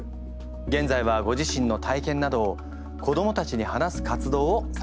げんざいはご自身の体験などを子どもたちに話す活動をされています。